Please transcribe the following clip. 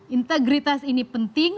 integritas ini penting